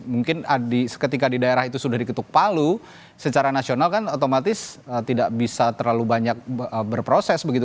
mungkin ketika di daerah itu sudah diketuk palu secara nasional kan otomatis tidak bisa terlalu banyak berproses begitu